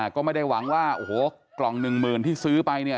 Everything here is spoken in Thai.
ก็ไม่ได้หวังว่ากล่องหนึ่งหมื่นที่ซื้อไป